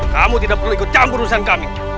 kamu tidak perlu ikut campur urusan kami